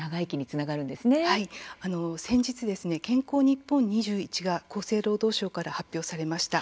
先日、健康日本２１が厚生労働省から発表されました。